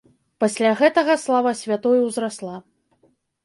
Пасля гэтага слава святой ўзрасла.